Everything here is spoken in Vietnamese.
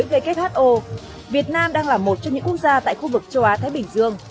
who việt nam đang là một trong những quốc gia tại khu vực châu á thái bình dương